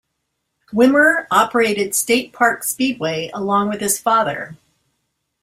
Wimmer operated State Park Speedway along with his father.